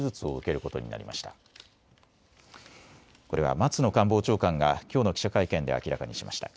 これは松野官房長官がきょうの記者会見で明らかにしました。